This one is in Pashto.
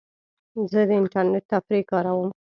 زه د انټرنیټ تفریح کاروم.